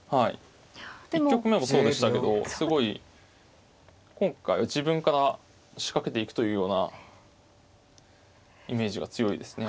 １局目もそうでしたけどすごい今回は自分から仕掛けていくというようなイメージが強いですね。